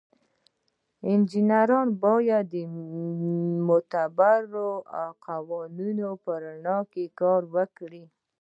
انجینر باید د معتبرو قوانینو په رڼا کې کار وکړي.